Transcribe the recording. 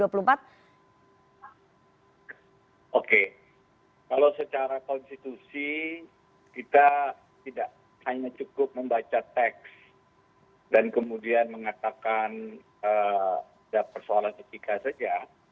oke kalau secara konstitusi kita tidak hanya cukup membaca teks dan kemudian mengatakan ada persoalan etika saja